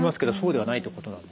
はい。